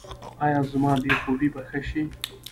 ایا زما بې خوبي به ښه شي؟